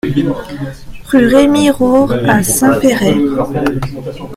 Rue Rémy Roure à Saint-Péray